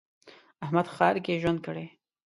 احمد ښار کې ژوند کړی.